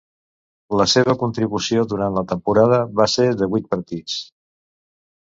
La seva contribució durant la temporada va ser de vuit partits.